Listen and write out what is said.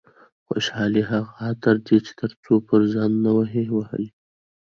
خوشحالي هغه عطر دي چې تر څو پر ځان نه وي وهلي.